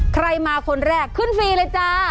ใครมาคนแรกขึ้นฟรีเลยจ้า